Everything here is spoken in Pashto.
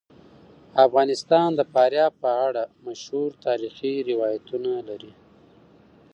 افغانستان د فاریاب په اړه مشهور تاریخی روایتونه لري.